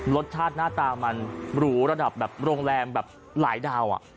รสชาติหน้าตามันหรูระดับแบบโรงแรมแบบหลายดาว